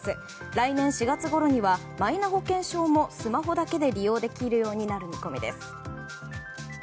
来年４月ごろにはマイナ保険証もスマホだけで利用できるようになる見込みです。